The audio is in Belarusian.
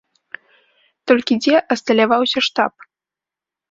Толькі дзе асталяваўся штаб?